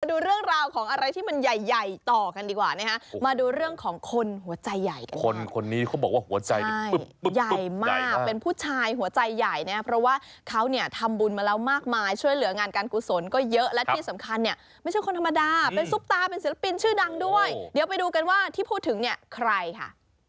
ดูเรื่องราวของอะไรที่มันใหญ่ใหญ่ต่อกันดีกว่านะฮะมาดูเรื่องของคนหัวใจใหญ่กันคนคนนี้เขาบอกว่าหัวใจนี่ใหญ่มากเป็นผู้ชายหัวใจใหญ่นะเพราะว่าเขาเนี่ยทำบุญมาแล้วมากมายช่วยเหลืองานการกุศลก็เยอะและที่สำคัญเนี่ยไม่ใช่คนธรรมดาเป็นซุปตาเป็นศิลปินชื่อดังด้วยเดี๋ยวไปดูกันว่าที่พูดถึงเนี่ยใครค่ะ